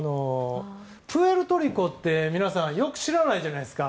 プエルトリコって皆さんよく知らないじゃないですか。